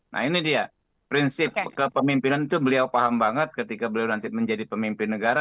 nah ini dia prinsip kepemimpinan itu beliau paham banget ketika beliau nanti menjadi pemimpin negara